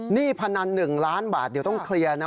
พนัน๑ล้านบาทเดี๋ยวต้องเคลียร์นะ